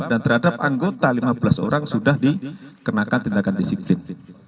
dan terhadap anggota lima belas orang sudah dikenakan tindakan disiksin